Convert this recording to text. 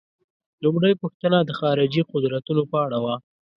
لومړۍ پوښتنه د خارجي قدرتونو په اړه وه.